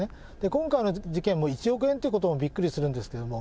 今回の事件も１億円ということもびっくりするんですけれども、１